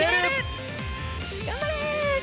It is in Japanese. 頑張れ！